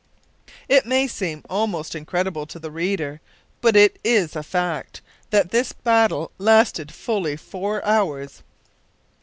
It may seem almost incredible to the reader, but it is a fact, that this battle lasted fully four hours.